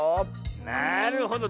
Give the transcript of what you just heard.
なるほど。